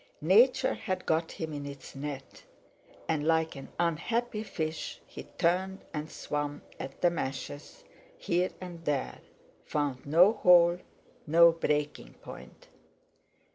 Nature had got him in its net, and like an unhappy fish he turned and swam at the meshes, here and there, found no hole, no breaking point.